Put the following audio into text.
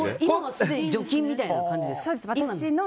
除菌みたいな感じですか？